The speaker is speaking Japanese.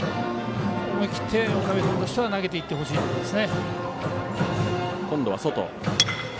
思い切って岡部君としては投げていってほしいところです。